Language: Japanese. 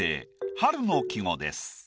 春の季語です。